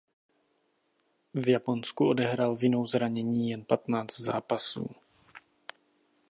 V Japonsku odehrál vinou zranění jen patnáct zápasů.